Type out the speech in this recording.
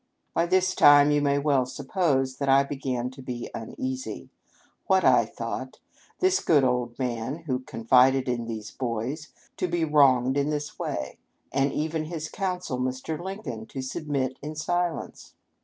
By this time you may well suppose that I began to be uneasy. ' What I ' thought I, ' this good old man, who con fided in these boys, to be wronged in this way, and even his counsel, Mr. Lincoln, to submit in silence